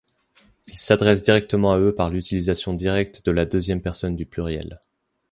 Il s’adresse directement à eux par l’utilisation directe de la deuxième personne du pluriel.